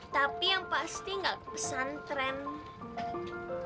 tapi yang pasti ga kepesan tren